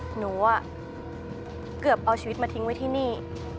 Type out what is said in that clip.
หนูเกือบเอาชีวิตมาทิ้งไว้ที่นี่